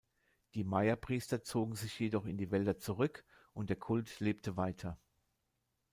Die Maya-Priester zogen sich jedoch in die Wälder zurück, und der Kult lebte weiter.